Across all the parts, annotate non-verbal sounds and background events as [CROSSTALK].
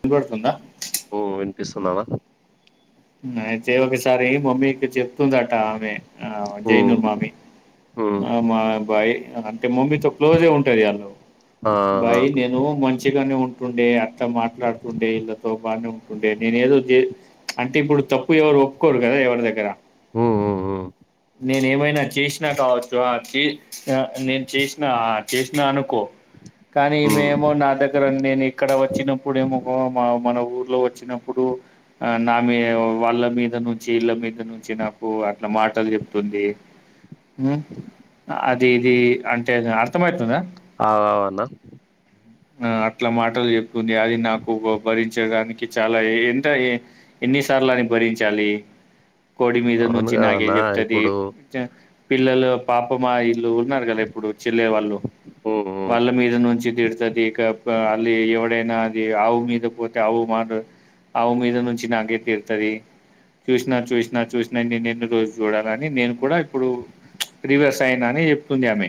వినపడుతుందా పిస్తున్నావా అయితే వకసారి మమ్మీకి చెప్ తుందట ఆమె జైను హ్మ్. మామి హ్మ్. మా అబ్బాయి అన్ అంటే మమ్మీతో క్లోజ్గ ఉంటది వాళ్ళు ఆ! ఆ! బై నేను మంచిగానే ఉం ఉంటుండే అట్ల మాట్లాడుతుండే ఇళ్ళతో బానే ఉంటుండే నేను ఏదో జే అంటే ఇప్పుడు తప్పు ఎవరు ఒప్పుకోరు కదా ఎవరి దగ్గర హు హు ఉ నేను ఏమైనా చేసినా కావచ్చు. చే నేను చేసినా చేసినా అనుకో కానీ హ్మ్. ఈమేమో హ్మ్. నా దగ్గర నేను ఇక్కడ వచ్చినప్పుడుమో హో మ మన ఊరు లో వచ్చినప్పుడు అ నా మీ వాళ్ళ మీద నుంచి ఇళ్ళ మీద నుంచి నాకు అట్లా మాటలు చెప్తుంది హు హా అది ఇది అంటే అర్థమవుతదా ఆ అవున ఆ అట్ల మాటలు చెప్ ది నాకుబరి చేడానికి చాలా ఎంటయి ఎన్నిసార్లు అని భరించాలి. కోడి మీద అవును నుంచి నాగే గదన్నా! చెప్తది ఇప్పుడు పిల్లలు పాపమ ఇ ఉన్నారు కదా ఇప్పుడు చెల్ల వాళ్ళు హ్మ్. హ్మ్. వాళ్ళ మీద నుంచి తిడుతది. కప ఇ ఎప్పుడైనా అది ఆవు మీద పోతే ఆవు మాట ఆవు మీద నుంచి నాక్ అగే తిరుతది చూసినా చూసినా చూసినా నేనున్న రోజు చూడాలని నేను కూడా ఇప్పుడు ప్రివర్స్ అయిన అని చెప్తుంది ఆమె.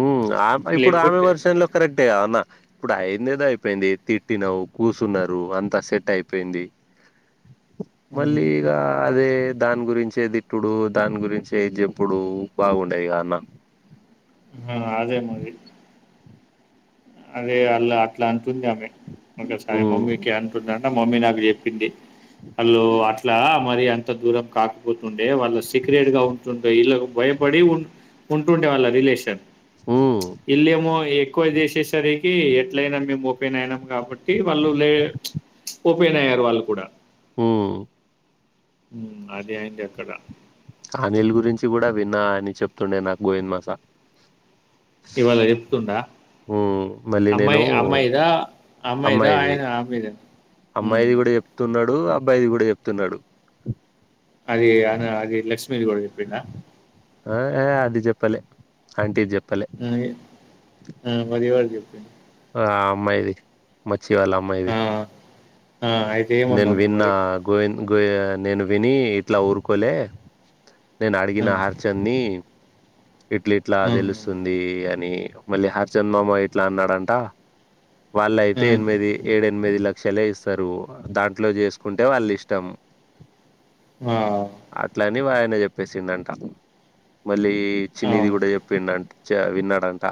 ఊ ఆమె ఇప్పుడు ఆమె లేకపోతే వర్షన్ లో కరెక్టే కాదన్ ఇప్పుడు అయిందేదో అయిపోయింది. తిట్టినవు కూచున్నారు. అంత సెట్ అయిపోయింది. మళ్ళీ ఈగా అదే దాని గురించేదిట్టుడు దాని గురించే జెప్పుడు బాగుండేది కా అన్న ఆ అదే మరి అదే అలా అట్లా అంటుంది ఆమె ఒకసారి మమ్మీకి హ్మ్. అంటున్నాన్ మమ్మీ నాకు చెప్పింది. ఆళ్ళు అట్లా మరి అంత దూరం కాకపోతుండ్ అంటే వాళ్ళ సీక్రెట్ గా ఉంటుంటాయి ఇలాగ్ భయపడి ఉన్ ఉంటుండే వాళ్ళ రిలేషన్ హ్మ్. చుప్ ఇల్లేమో ఎక్ కో జెసెస్ [INAUDIBLE] సరికి ఎట్లయినా మేము ఓపెన్ అయినాం కాబట్టి వాళ్ళు లే ఓపెన్ అయ్యారు వాళ్ళు కూడా హుమ్ ఉమ్ అదే అయింది అక్కడ అనిల్ గురించి కూడా విన్నా అని చెప్తుండే నాకు గోవింద్ మాస ఇవాళ చెప్తుండా హ్మ్. మళ్ళీ నేను అమ్మాయి అమ్మాయిదా అమ్మాయిదా అమ్మాయిది ఆయన ఆమెద ఉమ్ డు అబ్బాయిది కూడా చెప్తున్నాడు. అది అన్న అది లక్ష్మిది కూడా చెప్పిండా? ఆ ఏ అది చెప్పలే అంటీది చెప్ ఉ ఉ పదివాడు చెప్పిండు ఆ అమ్మాయిది మచ్చి వాళ్ళ అమ్మాయిది ఆ ఆ అయితే నేను ఏమన్నావు నువ్వు విన్నా మరి గోవింద్ గోయె నేను విని ఇట్లా ఊరుకోలే నేను ఆ అడిగిన హరి చంద్ ని ఇట్ల ఇట్లా హ్మ్ తెలుస్తుంది అన్ ని మళ్ళీ హరిచంద్ మామ ఇట్లా అన్నాడంట వాళ్ళ అయితే హ్మ్ ఎనిమిది ఏడె ఎన్ ఎనిమిది లక్షలే ఇస్తరు దాంట్లో చేసుకుంటే వళ్ళీ ఇష్టం. ఆ అని ఆయన చెప్పేసిండ అంట మళ్ళీ చిన్నిది అవును కూడా చెప్పిందంట చ విన్నారంట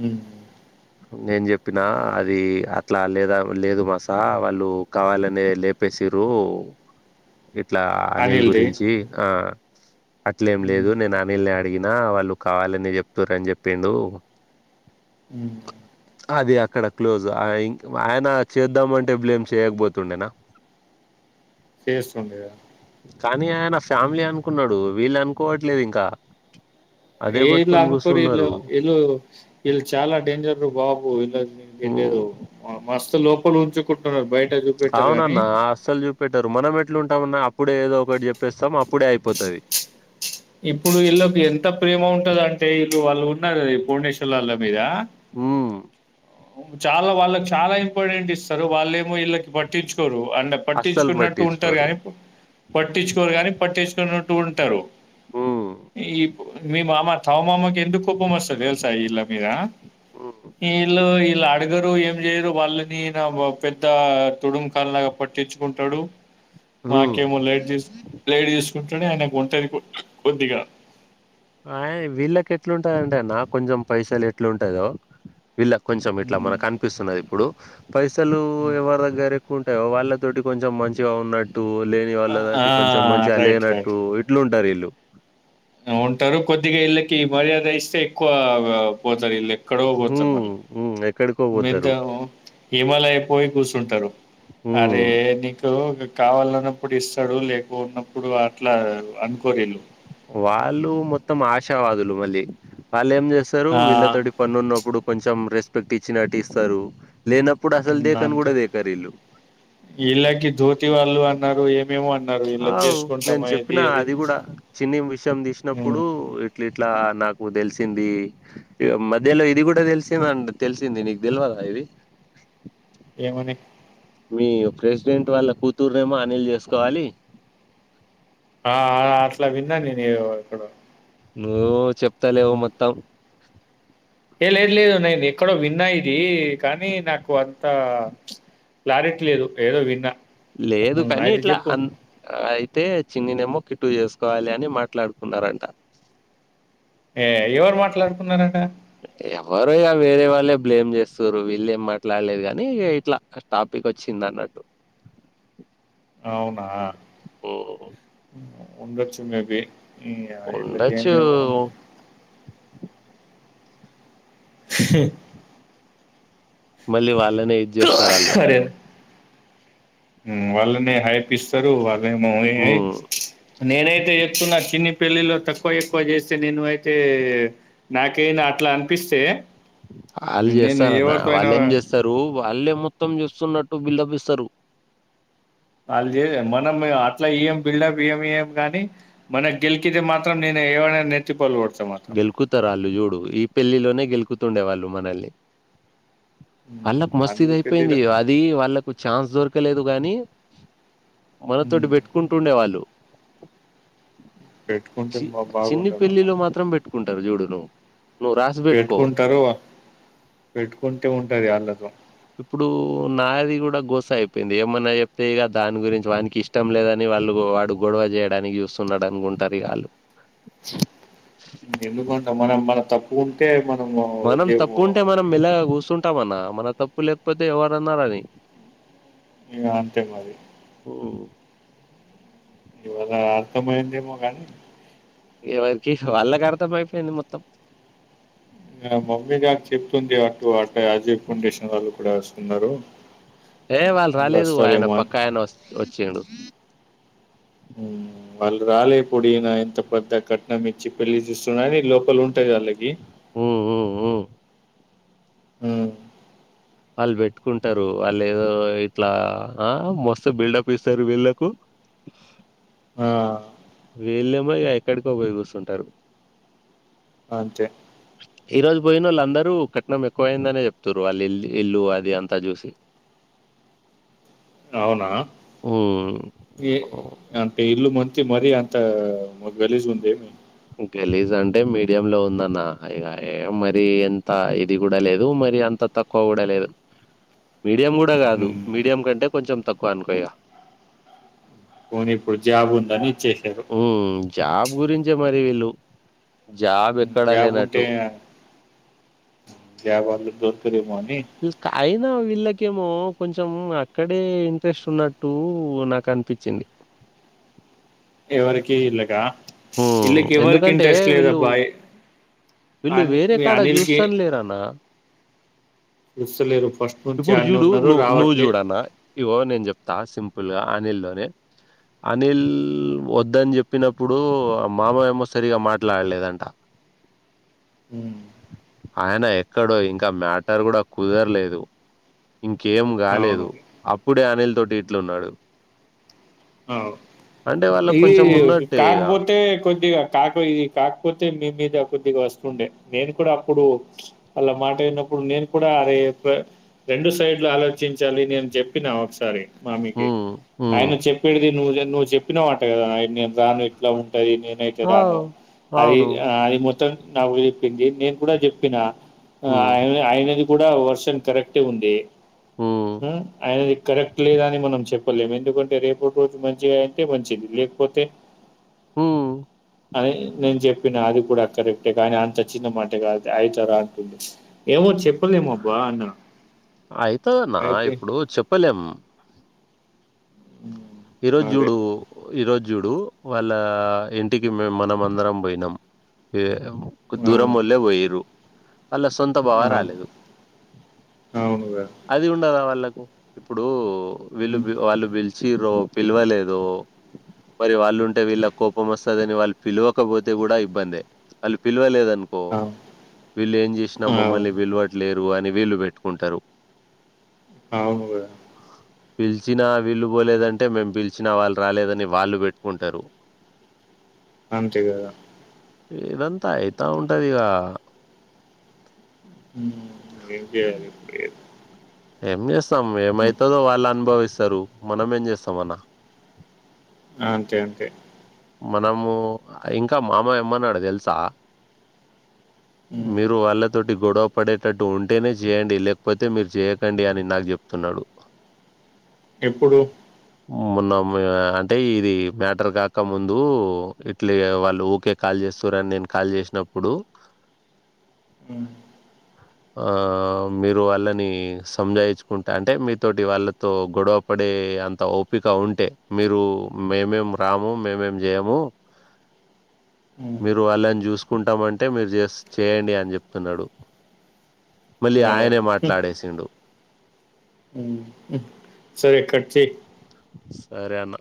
హ్మ్ నేను చెప్పిన అది అహ్ అట్లా లేదా లేదు మాసా వాళ్ళు కావాలనే లేపేసిరు ఇట్లా అనీల్ అనిల్ది గురించి ఆ అట్లే ఏం హ్మ్ లేదు వెళ్లి అడిగినా వాళ్ళు కావాలని చేతుర్రు అని చెప్పిండు ఉహు అది అక్కడ క్లోజ్ అయి ఆయన చేద్దామంటే బ్లేమ్ చేయకపోతుండేనా? చేస్తుండే కదా కానీ ఆయన హ్మ్ ఫ్యామిలీ అనుకున్నడు వీళ్ళ అనుకోం లేదు ఇంకా అదే ఏ ఇల్లు బట్టుకొని అనుకోరిల్లు గూసున్నారు. ఇల్లు ఇల్లు చాలా డేంజర్ రో బాబు ఉ ఇల్లది డేంజర్ మస్తు లో పొలం చేకూ అవున అన్న అస్సలు చూపెట్టారు మనం ఎట్లు ఉంటామన్న అప్పుడే ఏదో ఒకటి చెప్పేస్తాము అప్పుడే అయిపోతంది ఇప్పుడు వీళ్ళకి ఎంత ప్రేమ ఉంటది అంటే వీళ్ళు వాళ్ళు ఉన్నారు పుర్ణేశ్వర్ వాళ్ళ మీద ఉహు చాలా వాళ్ళకి చాలా ఇంపార్టెంట్ ఇస్తారు వాళ్ళేమో వీళ్ళకి పట్టించుకోరు అంట అస్సలు పట్టించుకున్నట్టు ఉంటారు పట్టించుకోరు. గాని పట్టించుకోరు కాని పట్టించుకున్నట్టు ఉంటారు హ్మ్ ఈ మీ మామ తవ మామకు ఎందుకు కోపం వస్తది తెలుసా విళ్ళ మీదా హ్మ్ వీళ్ళు ఇలా అడగరు ఏం చేయరు వాళ్ళని నా పెద్ద తుడుంకాండలాగా పట్టించుకుంటాడు హ్మ్. మాకేమో లైట్ తీసి లైట్ తీసి పుట్టు డే ఆయనకి ఒంటరి పు కొద్దిగా ఆ వీళ్ళకి ఎట్లుంటదంటే అన్న కొంచెం పైసలు ఎట్లుంటాందో వీళ్ళ కొంచెం ఇట్లా మనకు అనిపిస్తున్నది ఇప్పుడు పైసలు ఎవరి దగ్గరే ఎ కుంటదా వాళ్ళతోటి కొంచెం మంచిగా ఉన్నట్టు లేని వాళ్ళ ఆ దట్టి కొంచెం మంచిగా అ రైట్ రైట్ లేనట్టు ఇట్లు ఉంటారు వీల్లుు ఉంటారు కొద్దిగా ఇళ్ళకి ఈ మర్యాద ఇస్తే ఎక్కువ పోతారు ఇళ్లకి సుబు ఉహు మిద్దము హిమాలయ పోయి కూసుంటరు హ్మ్ అరే నీకు కావాలన్నప్పుడు ఇస్తాడు లేక ఉన్నప్పుడు అట్లా అనుకోరు వీళ్ళు వాళ్ళు మొత్తం ఆ విషవాదులు మళ్లీ ఇల్లు ఏం చేస్తారు ఆ వీళ్ళ తోటి పని ఉన్నప్పుడు కొంచెం రెస్పెక్ట్ ఇచ్చినటు ఇస్తారు లేనప్పుడు హు అసలు దేకను అంతే కూడా దేకరు ఈళ్ళు ఇలాకి జ్యోతి వాళ్ళు అన్నారు ఏ అవు నేను చెప్పిన అది కూడా చిన్ని విషయం తీసినప్పుడు ఇట్ల ఇట్లా నాకు తెలిసింది మధ్యలో ఇది కూడా తెలిసింద అం తెలిసింది నీకు తెల్వాలా ఇది ఏమని మీ ప్రెసిడెంట్ వాళ్ళ కూతుర్నేమో అనిల్ చేసుకోవాలి. ఆ ఆ అట్లా విన్న నేను. ఏదో ఎక్కడో. నువ్వు చెప్తలెవు మొత్తం. ఏ లేద్ లేదు. నేన్ ఎక్కడో విన్నా ఇ దీ కానీ నాకు కు అంత క్లారిటీ లేదు. ఏదో విన్నా. లేదు కానీ అయితే ఇట్లా చెప్పు అన్ ఐ యితే చిన్నినేమో కిట్టు చేసుకోవాలి అని మాట్లాడుకున్నారంట. ఏ ఎవరు మాట్లాడుకున్నారట? ఎవరో య వేరే వాళ్ళే బ్లేమ్ చేస్తుర్రు. వీల్లేం మాట్లాడలేదు కానీ, ఇగ ఇట్ల టాపికొచ్చింది అన్నట్టు. అవునా! ఓ ఉండచ్చు మే బి ఈ య ఇట్ల ఉండొచ్చు చేయంగనే బావుండు. స మల్లి వాళ్ళన్ నె ఇద్ చేస్తారాళ్ళు. మ్మ్ వాళ్ళనె హైప్ ఇస్తారు. వాళ్ రేమో, ఏ ఐ హ్మ్. నేనైతే చెప్తున్నా చిన్ని పెళ్ళిలో తక్కువ ఎక్కువ చేస్తే, నేను అయితే నాకైనా అట్ల అనిపిస్తే, ఆళ్ నేను చేస్తారనా? ఎవరితో అయినా వాళ్లేం చేస్తారు, వాళ్ళే మొత్తం చూస్తున్నట్టు బిల్డప్ ఇస్ సరు వాళ్ చేస మనం ఇగ అట్లా ఇయ్యం. బిల్డప్ ఇయ్యం ఇయ్యం కాని, మనక్ గెలికితే మాత్రం, నేను ఎవరైనా గాని నెత్తి పగలగొడ గెలుకుతారు ఆళ్ళు చూడు. ఈ పెళ్ళిలోనే గెలుకుత్ తుండేవాళ్ళు మనల్ని. హ్మ్. వాళ్ళకు మస్త్ అనిల్ ఇదైపోయింది. పెళ్ళిలో అది వాళ్ళకు ఛాన్స్ దొరకలేదు గానీ, మనతోటి హ్మ్. పెట్టుకుంటుండే వాళ్ళు పెట్టుకుంటే బా బాగుండద్ మళ్ళా. కుంటారు. చూడు నువు పెట్టుకుంటారు. పెట్టుకుంటే, ఉంటది వాళ్ళతో. ఇప్పుడు నాది కూడా గొస్స అయిపోయింది. ఏమన్నా చెప్తే ఇగ దాని గురించి వానికి ఇష్టం లేదని వాళ్ళు వాడు గొడవ చేయడానికి చూస్తున్నాడు అనుకుంటారు ఇగ వాళ్ళు. ఇంకెందుకంటావ్? మనం మన తప్ కొంతె మనం తప్పు ఉంటే, మనం మెల్లగా కూసున్ టామన, మన తప్పు లేకపోతే, ఎవరన్నా రాని. ఇక అంతే అది ఓ ఇవా అర్ తమైంది మ కానీ ఎవరికి వాళ్ళ కర్తం అయిపోయింది మొత్తం మమ్మీ గారి చెప్తుంది అటు అటు అజయ్ ఫౌండేషన్ వాళ్ళ కూడాస్తు ఉన్నారు ఏ వాళ్ళు రాలేదు ఆయన పక్కా ఆయన వ వచ్చడు వాళ్ళు రాలే పొడి ఈయన ఇంత పెద్ద కట్నం ఇచ్చి పెళ్లి చూస్తున్నాని లోపల ఉంట ట్టాలకి హ్మ్. హ్మ్. హ్మ్. ఆ వాళ్ళు పెట్టుకుంటారు వాళ్ళు ఏదో ఇట్లా ఆ మస్తు బిల్డప్ ఇస్తారు వీళ్ళలకు ఆ వీళ్ళేమో ఇక ఎక్కడికో పోయి కుస్తుంటారు అంతే పోయిన వాళ్ళు అందరూ కట్నం ఎక్కువ అయిందనే చెప్తారు వాళ్ళు ఇల్ ఇల్లు అది అంతా చూసి అవునా హ్మ్. ఏ అంతే ఇల్ మధ్య మరీ అంత గలిసి ఉందేమి గలీజ్ అంటే మీడియం లో ఉందన్న మరి ఎంత ఇది కూడా లేదు మరి అంత తక్కువ కూడా లేదు మీడియం కూడా కాదు ఉమ్, మీడియం కంటే కొంచెం తకువాన్ కయా పోనీపొ జాబ్ ఉందాని ఉ జాబ్ గురించే మర వీళ్లుు జాబ్ ఉంటే జాబ్ వాళ్ళు గిరి మమ్ అయినా వీళ్ళకేమో కొంచం అక్కడే ఇంట్రెస్ట్ ఉన్నట్టు నాకు అనిపించింది ఎవరికి ఇల్లుగా ఎందుకంటే వీళ్ళు వీళ్ళు అని వేరే మీ కాడ అనిల్కి చూస్తాను లేరన్న పిలుస్తలేరు ఫస్ట్ నుంచి ఇప్పుడు ఆడనే చూడు ఉన్నారు నువ నువ్వు రావట్లే చూడనా ఇవో నేను చెప్తా సింపుల్ ల్గా అనిల్ లోనే అనిల్ వద్దని చెప్పినప్పుడు ఇప్పుడు మామ ఏమో సరిగా మాట్లాడలేదంట ఉమ్, ఆయన ఎక్కడో ఇంకా మ్యాటర్ కూడా కుదరలేదు ఇంకేం అవును కాలేదు అప్పుడే అనిల్ తోటి ఇట్లు ఉన్నాడు అంటే వాళ్ళకు కొంచెం ఉన్నట్ కకపోతే కొద్దిగా కాక ఇ కాకపోతే మీ మీద కొద్దిగా వస్తుండే నేను కూడా అప్పుడు అలా మాట్లాడినప్పుడు నేను కూడా అే రెండు సైడ్లు ఆలోచించాలి నేను చెప్పినా ఒకసారి మామకి హ్మ్. హ్మ్. ఆయన చెప్పేడుది నువ్వు నువ్వు చెప్పు చెప్పిన వట కదా నేను రాను ఇంట్లో ఉంటాను అని అరే నేనైతే ఆ! రాను అది అవును. ఆడికి మొత్తం నాకు చెప్పింది నేను కూడా చెప్పిన ఆ హ్మ్. ఆయన ఆయనది కూడా వర్షన్ కరెక్టే ఉంది హ్మ్. ఉ అయనది కరెక్ట్ లేదని మనం చెప్పి చెప్పలేము ఎందుకంటే రేపటి రోజు మంచిగా అందుకే వచ్చింది లేకపోతే హ్మ్. అనే నేను చెప్ప చెప్పిన అది కూడా కరెక్టే కానీ అంత చిన్న మాట కాదు అవుతుందా ఏమో చెప్పలేమ అబ్బా అన్న అయితదన్న అయితే ఇప్పుడు చెప్పలేం హ్మ్. ఈరోజు అదే చూడు ఈరోజు జుడు వాళ్ళ ఇంటికి మేము మనం అందరం పోయినాం ఆ! దూరం వెళ్లే పోయిండ్రు వాళ్ళ సొంత బావ ఆ! రాలేదు అవును గదా! అది ఉండదా వాళ్ళకు ఇప్పుడు వీలు హ్మ్. పిలువలే వాళ్ళు పిలిచి ఇచ్చిండ్రు పిలవలేదు మరి వాళ్ళు ఉంటే వీళ్ళ కోపం వస్తదని వాళ్ళు పిలవకపోతే కూడా ఇబ్బంది వాళ్ళు పిలవలేదని పో అవు వీళ్ళు ఏం చేసినా అవును. మమ్మల్ని పిలవట్లేదు వాళ్లు వీళ్లు పెట్టుకుంటారు అవును కదా పిలిచినా వీళ్లు పోలేదండి అంటే మేము పిలిచినా వాళ్ళు రాలేదని వాళ్ళు పెట్టుకుంటారు అంతే కదా ఇదంతా అయితా ఉంటది ఇక ఏం చేయాలి ఏం చేస్తాం చూస్తాం హ్మ్. ఏమవుతుందో వాళ్ళు అనుభవిస్తాం వస్తార మనమేం చేస్తామన్న అంతే అంతే మనము ఇంకా మామ ఏమన్నాడు తెలుసా హ్మ్. మీరు వాళ్ళతోటి గొడవ పడేటట్టు ఉంటేనే చేయండి లేకపోతే మీరు చేయకండి అని నాకు చెప్తున్నాడు ఎప్పుడు మొన్న అంటే ఇది మ్యాటర్ కా క ముందు ఇట్లే వాళ్ళు ఓకే కాల్ చేస్తుర్రన్ని నేను కాల్ చేసినప్పుడు ఉమ్ ఆ మీరు వాళ్ళని సంజాయించుకుంట అంటే మీతోటి వాళ్ళతో గొడవ పడే అంత ఓపిక ఉంటే మీరు మేమేం రాము మేమేం జెయము హ్మ్. మీరు అలాం జూస్ కుంటమంటే మీరు చేస్ చేయండి అని చెప్తున్నాడు మళ్ళీ ఆయనే మాట్లాడేసిండు ఉమ్ సరే కట్చెయ్ సరే అన్న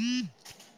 హ